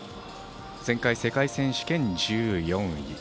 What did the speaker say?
前回の世界選手権１４位。